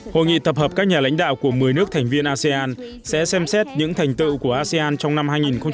hội nghị tập hợp các nhà lãnh đạo của một mươi nước thành viên asean sẽ xem xét những thành tựu của asean trong năm hai nghìn hai mươi